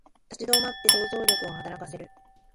立ち止まって想像力を働かせる